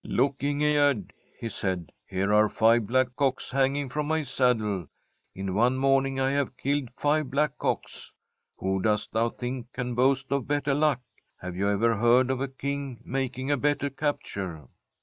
'" Look, Ingegerd," he said, " here are five blackcocks hanging from my saddle. In one morning I have killed five blackcocks. Who dost thou think can boast of better luck ? Have you ever heard of a King making a better capt ure